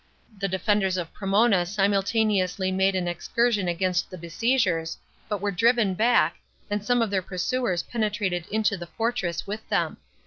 The defenders of Promona simultaneously made an excursion against the besiegers, but were driven back, and some of their pursuers penetrated into the fortress with them.